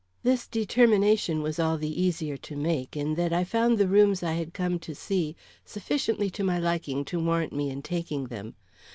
This determination was all the easier to make in that I found the rooms I had come to see sufficiently to my liking to warrant me in taking them.